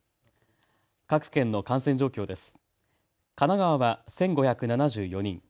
各県の感染状況です。